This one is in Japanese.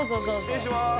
失礼します。